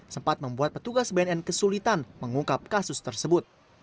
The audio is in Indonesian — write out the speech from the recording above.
sempat membuat petugas bnn kesulitan mengungkap kasus tersebut